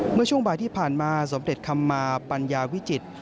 เมื่อช่วงบ่ายที่ผ่านมาสมเด็จคำมาปัญญาวิจิตร